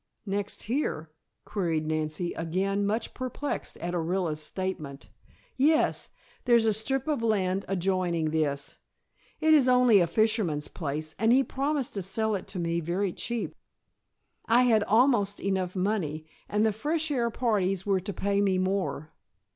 "Next here?" queried Nancy, again much perplexed at Orilla's statement. "Yes. There's a strip of land adjoining this. It is only a fisherman's place and he promised to sell it to me very cheap. I had almost enough money, and the fresh air parties were to pay me more.